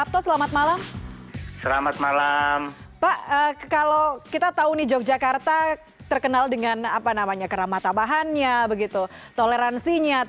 terliputan cnn indonesia